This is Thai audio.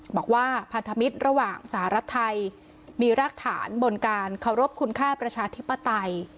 บอกว่าพันธมิตรระหว่างสหรัฐไทยมีรากฐานบนการเคารพคุณค่าประชาธิปไตย